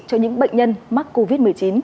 cho những bệnh nhân mắc covid một mươi chín